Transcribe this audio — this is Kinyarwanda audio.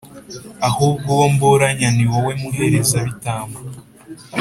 ahubwo uwo mburanya, ni wowe, muherezabitambo!